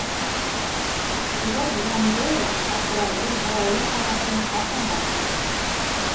Сибәр Гвандоя аптыраулы, һораулы ҡарашын ҡатынға төбәне.